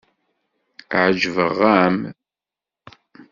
Ɛejbeɣ-am.